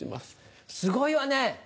すごいわね！